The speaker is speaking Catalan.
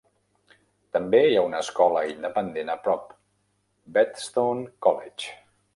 També hi ha una Escola Independent a prop, Bedstone College.